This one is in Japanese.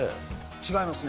違いますね。